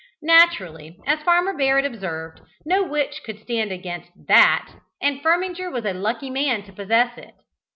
Naturally, as Farmer Barrett observed, no witch could stand against that, and Firminger was a lucky man to possess it.